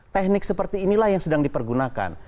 teknik seperti inilah yang sedang dipergunakan